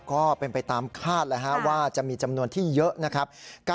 ก็เป็นไปตามคาดแล้วว่าจะมีจำนวนที่เยอะนะครับ